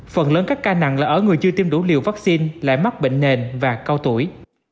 phần lớn các ca nặng là ở người chưa tiêm đủ liều vaccine lại mắc bệnh nền và cao tuổi